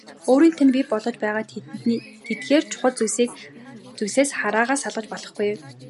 Өөрийг тань бий болгож байгаа тэдгээр чухал зүйлсээс хараагаа салгаж болохгүй.